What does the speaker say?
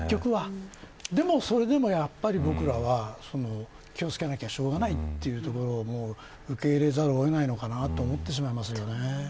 それでも僕らは気を付けなきゃしょうがないというところを受け入れざるを得ないのかなと思いますね。